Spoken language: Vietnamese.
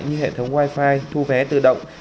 như hệ thống wifi thu vé tự động